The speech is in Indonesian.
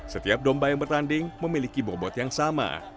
setiap domba yang bertanding memiliki bobot yang sama